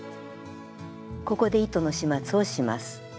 ここで糸の始末をします。